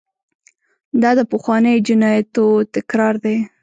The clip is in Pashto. دا د پخوانیو جنایاتو تکرار دی.